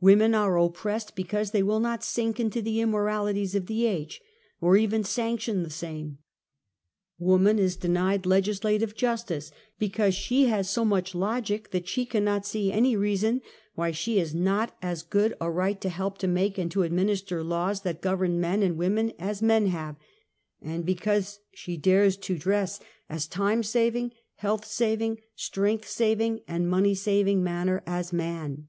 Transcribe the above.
Women are oppressed because they will not sink into the immoralities of the age, or even sanction the same. Woman is denied legislative justice because she has so much logic that she cannot see any rea son why she has not as good a right to help to make and to administer laws that govern both men and women as men have, and because she dares to dress in SOCIAL EVIL. 83 as time saving^ health saving, strength saving and rnoney saving manner as man.